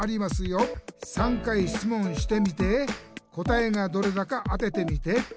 「３回しつもんしてみて答えがどれだか当ててみて！」